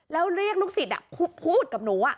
แล้วเรียกลูกศิษย์พูดกับหนู